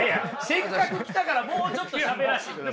せっかく来たからもうちょっとしゃべらしてください。